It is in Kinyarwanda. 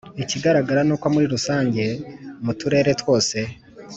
Ikigaragara ni uko muri rusange mu turere twose